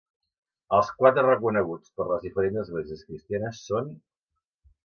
Els quatre reconeguts per les diferents esglésies cristianes són: